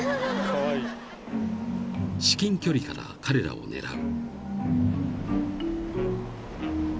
［至近距離から彼らを狙う］